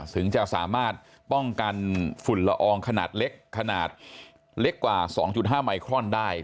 ถึงจะสามารถป้องกันฝุ่นละอองขนาดเล็กขนาดเล็กกว่า๒๕ไมครอนได้